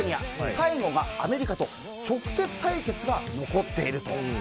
最後がアメリカと直接対決が残っていると。